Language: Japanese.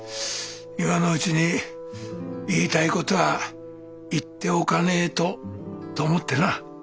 今のうちに言いたい事は言っておかねえとと思ってな。